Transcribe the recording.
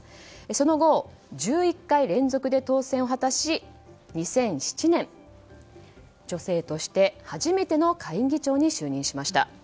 その後１１回連続で当選を果たし２００７年、女性として初めての下院議長に就任しました。